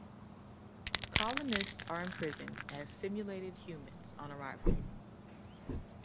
Colonists are imprisoned as "simulated humans" on arrival.